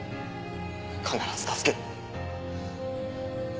必ず助ける。